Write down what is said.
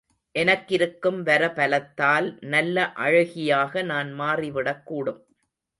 எனக்கிருக்கும் வரபலத்தால் நல்ல அழகியாக நான் மாறிவிடக் கூடும்.